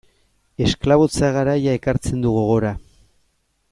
Esklabotza garaia ekartzen du gogora.